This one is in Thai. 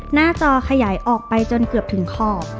จอขยายออกไปจนเกือบถึงขอบ